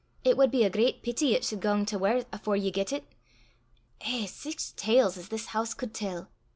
It wad be a great peety it sud gang to waur afore ye get it. Eh! sic tales as this hoose cud tell!"